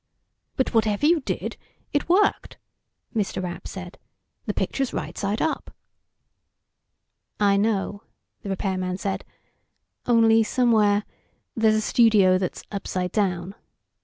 "But whatever you did ... it worked," Mr. Rapp said. "The picture's right side up." "I know," the repairman said. "Only somewhere ... there's a studio that's upside down.